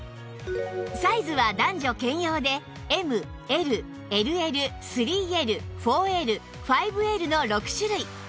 サイズは男女兼用で ＭＬＬＬ３Ｌ４Ｌ５Ｌ の６種類